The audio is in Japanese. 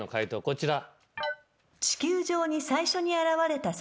こちら。